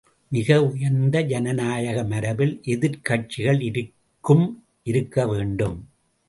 மிக உயர்ந்த ஜனநாயக மரபில் எதிர்க் கட்சிகள் இருக்கும் இருக்கவேண்டும்.